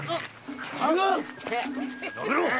やめろ！